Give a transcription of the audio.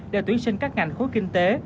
để tuyển sinh các ngành khối kinh tế